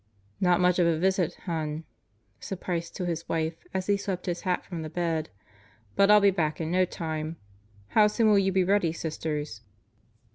"Not much of a visit, hon," said Price to his wife as he swept his hat from the bed, "but I'll be back in no time. How soon will you be ready, Sisters?"